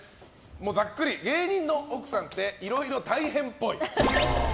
ざっくり芸人の奥さんって色々大変っぽい。